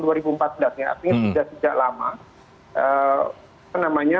jadi sudah tidak lama